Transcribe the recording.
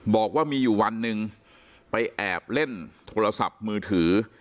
บอกว่ามีอยู่วันหนึ่งไปแอบเล่นโทรศัพท์มือถือ